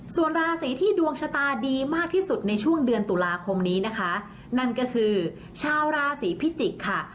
ส่วนราศีที่ดวงชะตาดีมากที่สุดในช่วงเดือนตุลาคมนี้นะคะนั่นก็คือชาวราศีพิจิกษ์ค่ะ